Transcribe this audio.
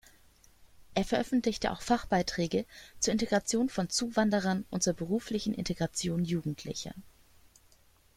Er veröffentlichte auch Fachbeiträge zur Integration von Zuwanderern und zur beruflichen Integration Jugendlicher.